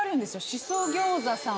しそ餃子さん